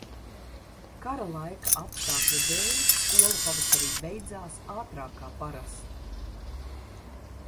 Kara laika apstākļu dēļ skola pavasarī beidzās ātrāk kā parasti.